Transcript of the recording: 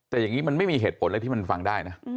แต่อย่างนี้มันไม่มีเหตุผลอะไรที่มันฟังได้นะ